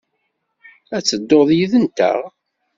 Ad tedduḍ yid-nteɣ?